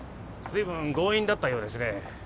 ずいぶん強引だったようですね。